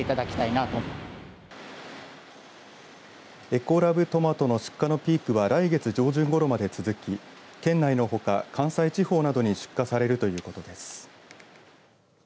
エコラブトマトの出荷のピークは来月上旬ごろまで続き県内のほか関西地方などに出荷されるということです。